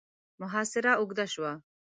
محاصره اوږده شوه.